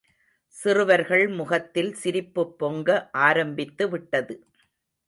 சிறுவர்கள் முகத்தில் சிரிப்புப் பொங்க ஆரம்பித்துவிட்டது.